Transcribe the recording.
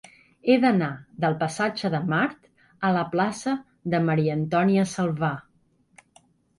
He d'anar del passatge de Mart a la plaça de Maria-Antònia Salvà.